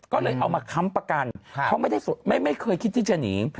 ก็เลยเอามาค้ำประกันเขาไม่เคยคิดที่จะหนี